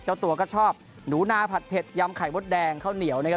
เจ้าตัวก็ชอบหนูนาผัดเผ็ดยำไข่มดแดงข้าวเหนียวนะครับ